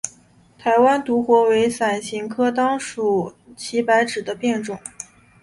台湾独活为伞形科当归属祁白芷的变种。